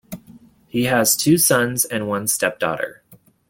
He has two sons and one stepdaughter.